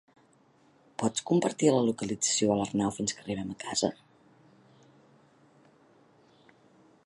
Pots compartir la localització a l'Arnau fins que arribem a casa?